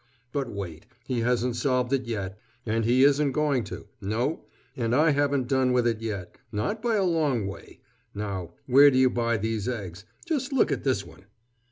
But wait: he hasn't solved it yet! and he isn't going to; no, and I haven't done with it yet, not by a long way.... Now, where do you buy these eggs? Just look at this one."